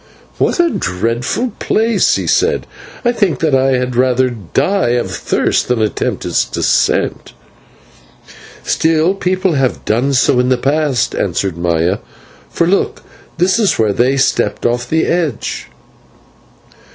"What a dreadful place!" he said. "I think that I had rather die of thirst than attempt to go down it." "Still people have gone down in the past," answered Maya, "for look, this is where they stepped off the edge."